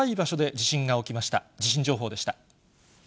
地震情報でした。